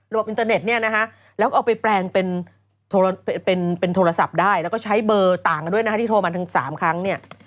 และเอาไปแปลงเป็นโทรศัพท์ได้แล้วก็ใช้เบอร์ต่างกันด้วยที่โทรมา๓ครั้ง